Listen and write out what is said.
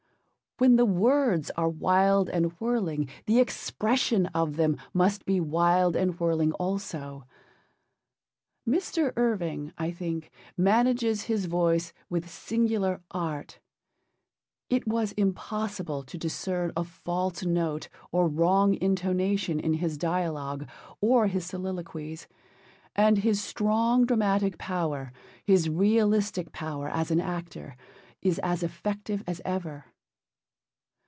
When the words are 'wild and whirling,' the expression of them must be wild and whirling also. Mr. Irving, I think, manages his voice with singular art; it was impossible to discern a false note or wrong intonation in his dialogue or his soliloquies, and his strong dramatic power, his realistic power as an actor, is as effective as ever.